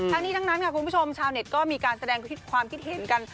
ทั้งนี้ทั้งนั้นค่ะคุณผู้ชมชาวเน็ตก็มีการแสดงความคิดเห็นกัน